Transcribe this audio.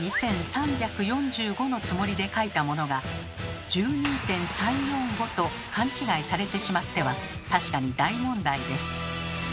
「１万２３４５」のつもりで書いたものが「１２点３４５」と勘違いされてしまっては確かに大問題です。